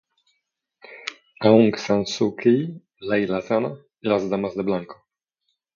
Aung San Suu Kyi, Leyla Zana i Las Damas de Blanco